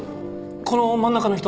この真ん中の人。